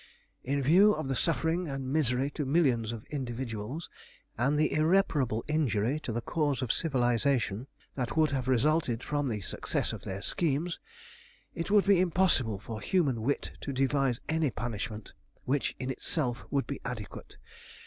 In view of the suffering and misery to millions of individuals, and the irreparable injury to the cause of civilisation that would have resulted from the success of their schemes, it would be impossible for human wit to devise any punishment which in itself would be adequate.